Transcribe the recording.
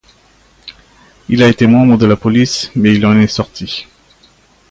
Il a été membre de la police, mais il en est sorti.